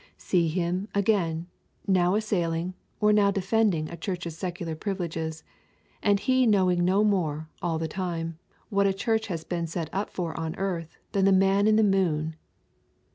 See him, again, now assailing or now defending a church's secular privileges, and he knowing no more, all the time, what a church has been set up for on earth than the man in the moon.